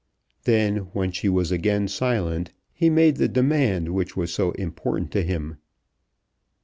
Then when she was again silent, he made the demand which was so important to him.